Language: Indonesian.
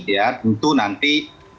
ya tentu nanti